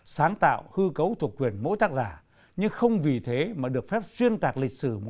sáng tạo hư cấu chủ quyền mỗi tác giả nhưng không vì thế mà được phép xuyên tạc lịch sử